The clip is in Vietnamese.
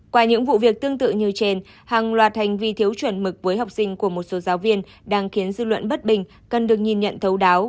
qua những vụ việc tương tự như trên hàng loạt hành vi thiếu chuẩn mực với học sinh của một số giáo viên đang khiến dư luận bất bình cần được nhìn nhận thấu đáo